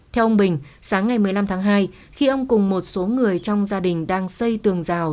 theo ông bình sáng ngày một mươi năm tháng hai khi ông cùng một số người trong gia đình đang xây tường rào